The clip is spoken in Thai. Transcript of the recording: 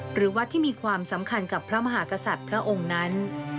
หรือวัดที่มีความสำคัญกับพระมหากษัตริย์พระองค์นั้น